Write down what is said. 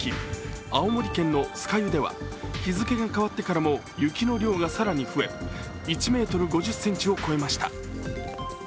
青森県の酸ヶ湯では日付が変わってからも雪の量が更に増え１ｍ５０ｃｍを超えました。